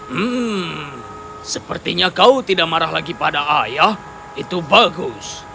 hmm sepertinya kau tidak marah lagi pada ayah itu bagus